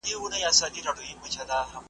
زېږوي یې چاغوي یې ځوانوي یې `